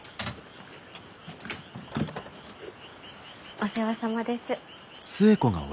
お世話さまです。